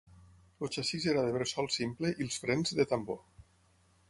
El xassís era de bressol simple i els frens, de tambor.